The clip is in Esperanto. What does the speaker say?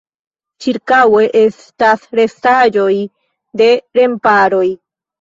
Ĉirkaŭe estas restaĵoj de remparoj.